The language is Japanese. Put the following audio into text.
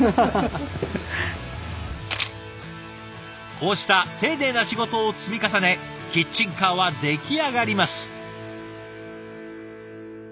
こうした丁寧な仕事を積み重ねキッチンカーは出来上がります。